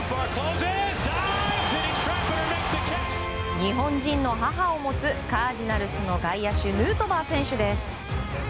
日本人の母を持つカージナルスの外野手、ヌートバー選手です。